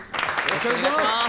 よろしくお願いします。